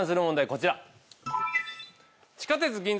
こちら。